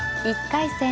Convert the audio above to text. １回戦